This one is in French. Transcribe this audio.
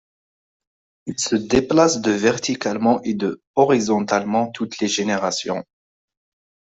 Il se déplace de verticalement et de horizontalement toutes les générations.